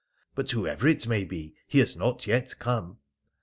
But whoever it be, he has not yet come.'